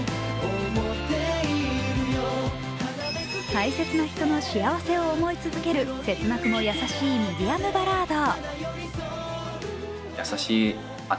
大切な人の幸せを思い続ける切なくも優しいミディアムバラード。